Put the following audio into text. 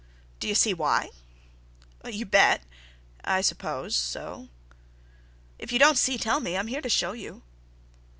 "Do you see why?" "You bet—I suppose so." "If you don't see, tell me. I'm here to show you."